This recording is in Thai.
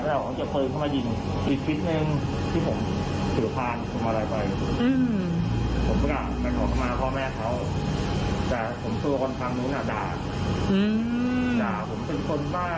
เสร็จแล้วเขาก็มาสรณอก็ร่วมถึงกระดามว่า